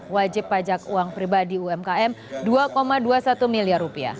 wajib pajak uang pribadi umkm rp dua dua puluh satu miliar